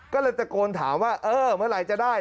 ก็เลยตะโกนถามว่าเออเมื่อไหร่จะได้